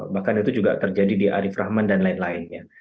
bahkan itu juga terjadi di arief rahman dan lain lainnya